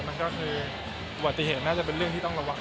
มันก็คืออุบัติเหตุน่าจะเป็นเรื่องที่ต้องระวัง